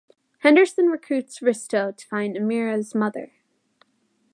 Henderson recruits Risto to find Emira's mother.